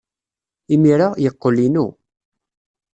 Imir-a, yeqqel inu.